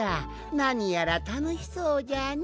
なにやらたのしそうじゃな。